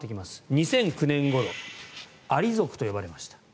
２００９年ごろアリ族と呼ばれました。